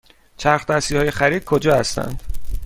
چرخ دستی های خرید کجا هستند؟